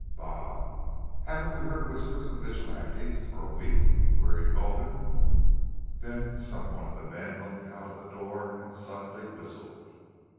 "Bah! Haven't we heard whispers of vigilantes for a week?" queried Gulden. Then some one of the men looked out of the door and suddenly whistled.